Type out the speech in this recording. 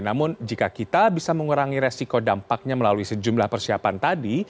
namun jika kita bisa mengurangi resiko dampaknya melalui sejumlah persiapan tadi